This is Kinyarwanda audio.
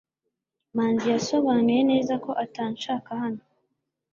Manzi yasobanuye neza ko atanshaka hano.